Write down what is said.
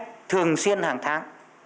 chính sách thường xuyên hàng tháng